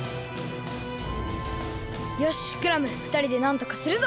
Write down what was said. よしクラムふたりでなんとかするぞ！